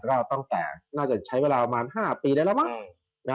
ก็ตั้งแต่น่าจะใช้เวลาประมาณ๕ปีได้แล้วมั้ง